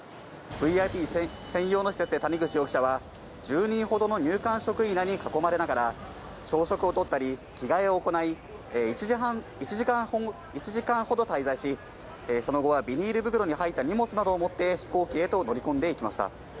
ＶＩＰ専用の施設で谷口容疑者は１０人ほどの入管職員らに囲まれながら、朝食を取ったり、着替えを行い、１時間ほど滞在し、その後はビニール袋に入った荷物などを持って飛行機へと乗り込んで行きました。